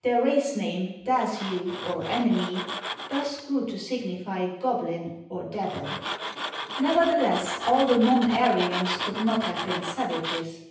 Their race name, DasATi. or "■enemy," thus grew to signify goblin or de\il. Nevertheless all the non Ar} ans could not have been savages.